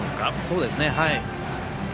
そうですね。